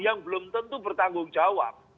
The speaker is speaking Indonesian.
yang belum tentu bertanggung jawab